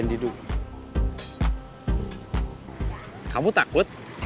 jangan dibiasain ngeremehin yaa